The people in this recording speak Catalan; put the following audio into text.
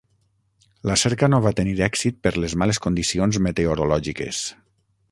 La cerca no va tenir èxit per les males condicions meteorològiques.